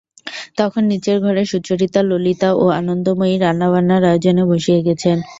তখন নীচের ঘরে সুচরিতা ললিতা ও আনন্দময়ী রান্নাবান্নার আয়োজনে বসিয়া গেছেন।